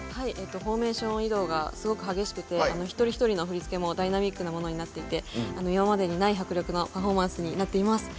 フォーメーション移動がすごく激しくて一人一人の振り付けもダイナミックなものになっていて今までない迫力のパフォーマンスになっています。